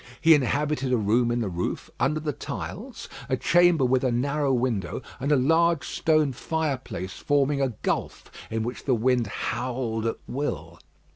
He inhabited a room in the roof, under the tiles a chamber with a narrow window, and a large stone fireplace forming a gulf, in which the wind howled at will.